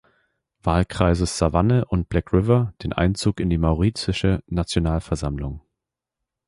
Wahlkreises (Savanne und Black River) den Einzug in die mauritische Nationalversammlung.